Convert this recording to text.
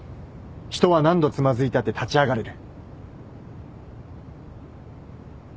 人は何度つまずいたって立ち上がれる。